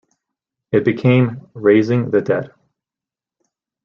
It became "Raising the Dead".